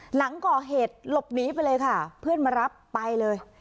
หลังก่อเหตุหลบหนีไปเลยค่ะเพื่อนมารับไปเลย